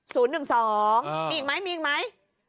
ศูนย์๑๒มีอีกมั้ย